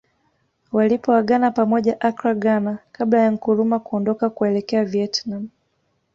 Walipoagana pamoja Accra Ghana kabla ya Nkrumah kuondoka kuelekea Vietnam